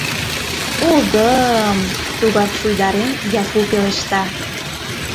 — Огы-ы-ым, — тугак шуйдарен, Яку пелешта.